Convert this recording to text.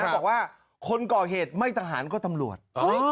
บอกว่าคนก่อเหตุไม่ทหารก็ตำรวจ